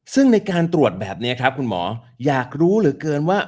ซึ่งในการตรวจแบบนี้ครับคุณหมออยากรู้เหลือเกินว่า